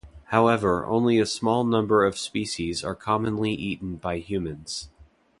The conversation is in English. However, only a small number of species are commonly eaten by humans.